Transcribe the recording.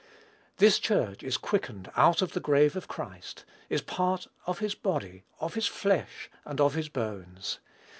This Church is quickened out of the grave of Christ, is part "of his body, of his flesh, and of his bones."